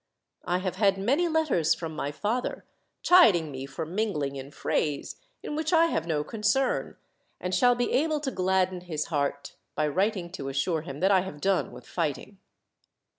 I have had many letters from my father, chiding me for mingling in frays in which I have no concern, and shall be able to gladden his heart, by writing to assure him that I have done with fighting."